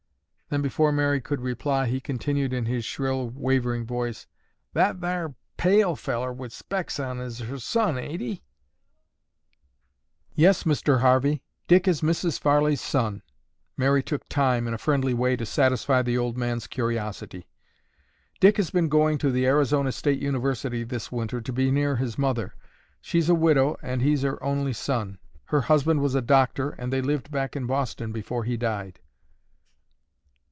Then, before Mary could reply, he continued in his shrill, wavering voice, "That thar pale fellar wi' specs on is her son, ain't he?" "Yes, Mr. Harvey. Dick is Mrs. Farley's son." Mary took time, in a friendly way, to satisfy the old man's curiosity. "Dick has been going to the Arizona State University this winter to be near his mother. She's a widow and he's her only son. Her husband was a doctor and they lived back in Boston before he died."